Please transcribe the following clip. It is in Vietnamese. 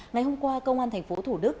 ngày hôm qua công an thành phố thủ đức